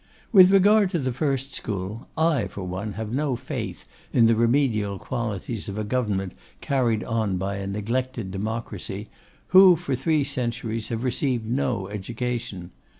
'With regard to the first school, I for one have no faith in the remedial qualities of a government carried on by a neglected democracy, who, for three centuries, have received no education.